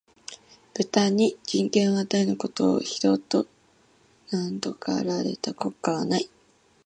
豚に人権を与えぬことを、非道と謗られた国家はない